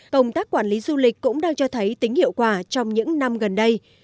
công tác quản lý du lịch cũng đang cho thấy tính hiệu quả trong những năm gần đây